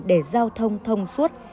để giao thông thông suốt